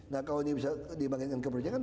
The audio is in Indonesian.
nah kalau ini bisa dibandingkan kepercayaan